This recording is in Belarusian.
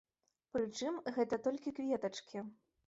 Прычым, гэта толькі кветачкі.